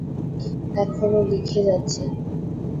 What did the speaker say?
এখনো লিখে যাচ্ছেন।